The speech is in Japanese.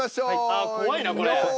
あっ怖いなこれ。